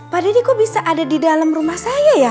pak deddy kok bisa ada di dalam rumah saya ya